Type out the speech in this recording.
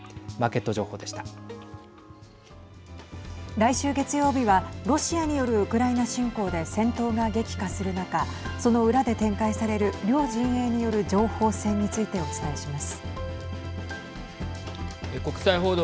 来週月曜日はロシアによるウクライナ侵攻で戦闘が激化する中その裏で展開される両陣営による情報戦についてお伝えします。